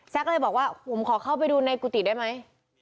ก็เลยบอกว่าผมขอเข้าไปดูในกุฏิได้ไหม